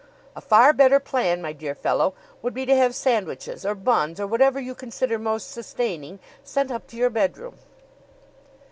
A far better plan, my dear fellow, would be to have sandwiches or buns or whatever you consider most sustaining sent up to your bedroom."